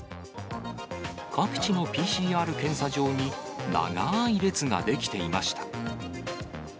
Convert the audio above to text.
各地のＰＣＲ検査場に長い列が出来ていました。